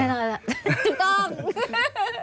นอนแล้วถูกต้อง